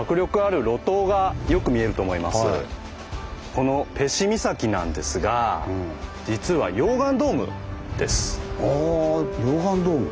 このペシ岬なんですが実はああ溶岩ドーム。